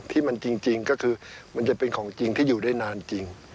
ที่มันจริงก็คือมันจะเป็นของจริงที่อยู่ได้นานจริง